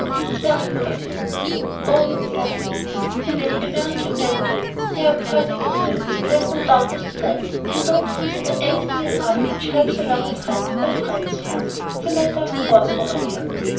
It's very good of him." "Oh, that's nothing. That's the way American men do. They are perfect dears, there's no doubt as to that, and they don't consider anything a trouble which helps along a friend or a friend's friend. It's a matter of course over here."